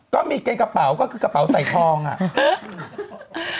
ก็มีเกณฑ์กระเป๋าก็คือกระเป๋าใส่ทองอ่ะ